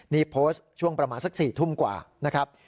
นี่โพสต์ช่วงประมาณสัก๔ทุ่มกว่านะครับ